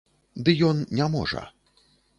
Ды ён не можа.